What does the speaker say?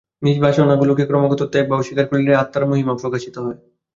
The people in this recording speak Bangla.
নীচ বাসনাগুলিকে ক্রমাগত ত্যাগ বা অস্বীকার করিলেই আত্মার মহিমা প্রকাশিত হয়।